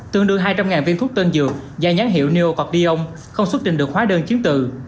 tương đương hai trăm linh viên thuốc tân dược và nhắn hiệu neocordion không xuất trình được hóa đơn chiến từ